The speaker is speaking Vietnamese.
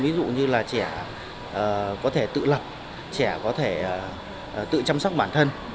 ví dụ như là trẻ có thể tự lập trẻ có thể tự chăm sóc bản thân